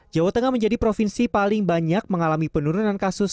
jawa tengah menjadi provinsi paling banyak mengalami penurunan kasus